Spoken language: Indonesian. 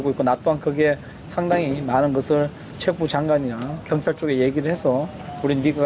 saya juga mengatakan banyak hal tersebut kepada pemerintah pertama dan pemerintah pemerintah